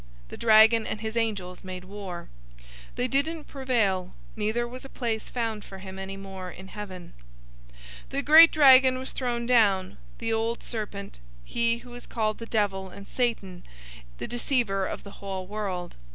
The dragon and his angels made war. 012:008 They didn't prevail, neither was a place found for him any more in heaven. 012:009 The great dragon was thrown down, the old serpent, he who is called the devil and Satan, the deceiver of the whole world.